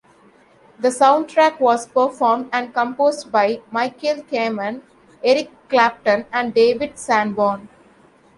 The soundtrack was performed and composed by Michael Kamen, Eric Clapton, and David Sanborn.